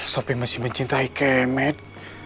sopi masih mencintai kemet